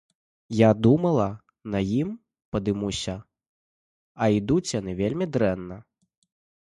Я думала, на ім падымуся, а ідуць яны вельмі дрэнна.